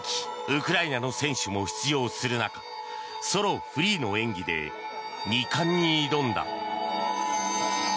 ウクライナの選手も出場する中ソロ・フリーの演技で２冠に挑んだ。